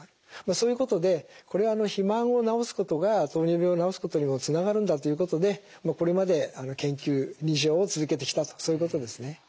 そういうことでこれは肥満を治すことが糖尿病を治すことにもつながるんだということでこれまで研究臨床を続けてきたとそういうことですね。